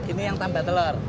ini yang tambah telur